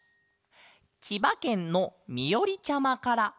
ちばけんのみおりちゃまから。